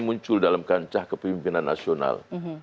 muncul dalam kancah kepemimpinan nasional